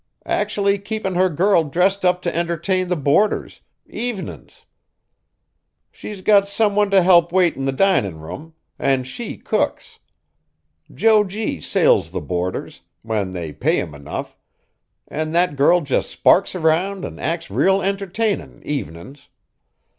Actually keepin' her girl dressed up t' entertain the boarders, evenin's! She's got some one t' help wait in the dinin' room, an' she cooks. Jo G. sails the boarders, when they pay him enough, an' that girl just sparks around an' acts real entertainin', evenin's.